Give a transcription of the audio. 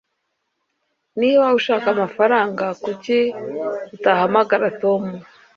niba ushaka amafaranga, kuki utahamagara tom